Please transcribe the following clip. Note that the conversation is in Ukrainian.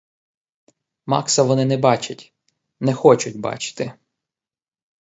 Макса вони не бачать, не хочуть бачити.